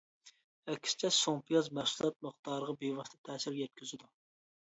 ئەكسىچە سۇڭپىياز مەھسۇلات مىقدارىغا بىۋاسىتە تەسىر يەتكۈزىدۇ.